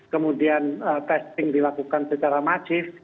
kemudian testing dilakukan secara masif